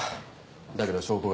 だけど証拠が。